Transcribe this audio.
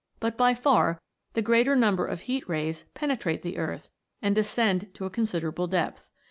But by far the greater number of heat rays pene trate the earth, and descend to a considerable depth.